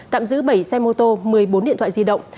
tạm giữ bảy xe mô tô một mươi bốn điện thoại di động